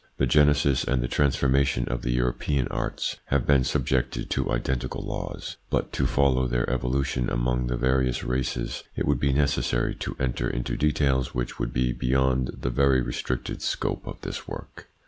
The genesis and the transformation of the European arts have been subjected to identical laws ; but to follow their evolution among the various races it would be necessary to enter into details which would be beyond the very restricted scope of this work.